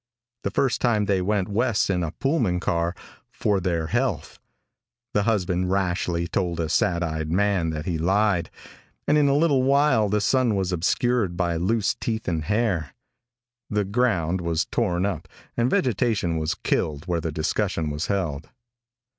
The first time they went west in a Pullman car "for their health." The husband rashly told a sad eyed man that he lied, and in a little while the sun was obscured by loose teeth and hair. The ground was torn up and vegetation was killed where the discussion was held.